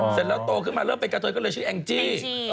เสร็จแล้วโตขึ้นมาเริ่มเป็นกะเทยก็เลยชื่อแองจี้